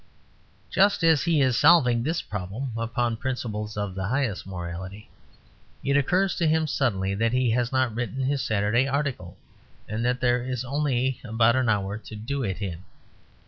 Just as he is solving this problem upon principles of the highest morality, it occurs to him suddenly that he has not written his Saturday article; and that there is only about an hour to do it in.